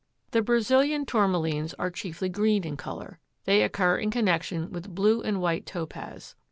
The Brazilian Tourmalines are chiefly green in color. They occur in connection with blue and white topaz.